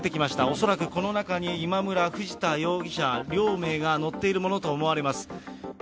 恐らくこの中に今村、藤田容疑者、両名が乗っているものと思われます。